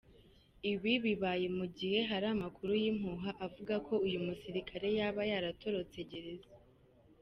Ibi bibaye mugihe hari amakuru y’impuha avuga ko uyu musilikare yaba yaratorotse gereza.